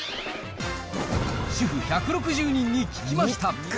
主婦１６０人に聞きました。